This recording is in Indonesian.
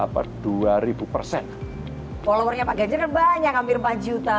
followernya pak ganjar kan banyak hampir empat juta